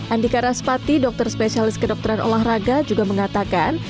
andika raspati dokter spesialis kedokteran olahraga juga mengatakan